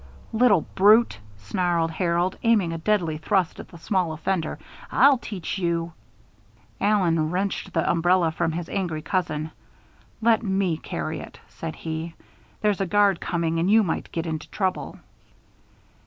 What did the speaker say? "Little brute!" snarled Harold, aiming a deadly thrust at the small offender. "I'll teach you " Allen wrenched the umbrella from his angry cousin. "Let me carry it," said he. "There's a guard coming and you might get into trouble."